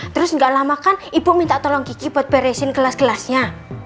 terus nggak lama kan ibu minta tolong gigi buat beresin kelas kelasnya